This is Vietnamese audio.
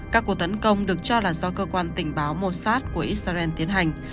các cuộc tấn công được cho là do cơ quan tình báo mossad của israel tiến hành